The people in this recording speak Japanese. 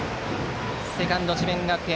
セカンド、智弁学園